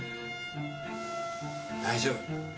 大丈夫。